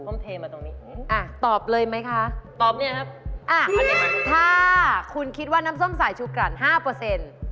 เทมาตรงนี้อ่ะตอบเลยไหมคะตอบเนี่ยครับอ่ะถ้าคุณคิดว่าน้ำส้มสายชูกลั่นห้าเปอร์เซ็นต์